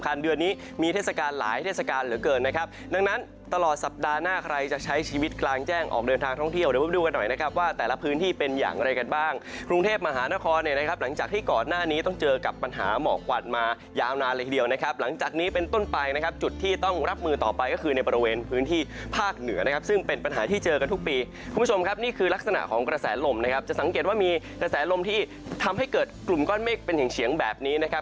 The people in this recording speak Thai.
ปัญหานครหลังจากที่ก่อนหน้านี้ต้องเจอกับปัญหาหมอกวัดมายาวนานเลยเดียวนะครับหลังจากนี้เป็นต้นไปนะครับจุดที่ต้องรับมือต่อไปก็คือในบริเวณพื้นที่ภาคเหนือนะครับซึ่งเป็นปัญหาที่เจอกันทุกปีคุณผู้ชมครับนี่คือลักษณะของกระแสลมนะครับจะสังเกตว่ามีกระแสลมที่ทำให้เกิดกลุ่มก้อนเมฆเป็น